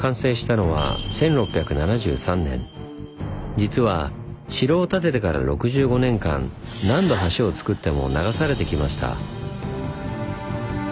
実は城を建ててから６５年間何度橋をつくっても流されてきました。